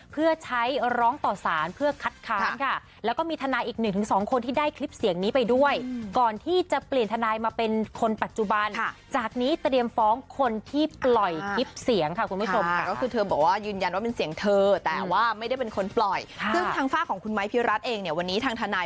เพื่อใช้ร้องต่อสารเพื่อคัดค้านค่ะแล้วก็มีทนายอีกหนึ่งถึงสองคนที่ได้คลิปเสียงนี้ไปด้วยก่อนที่จะเปลี่ยนทนายมาเป็นคนปัจจุบันจากนี้เตรียมฟ้องคนที่ปล่อยคลิปเสียงค่ะคุณผู้ชมค่ะก็คือเธอบอกว่ายืนยันว่าเป็นเสียงเธอแต่ว่าไม่ได้เป็นคนปล่อยซึ่งทางฝากของคุณไม้พิรัตนเองเนี่ยวันนี้ทางทนาย